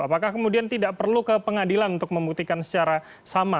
apakah kemudian tidak perlu ke pengadilan untuk membuktikan secara sama